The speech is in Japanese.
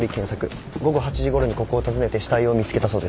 午後８時ごろにここを訪ねて死体を見つけたそうです。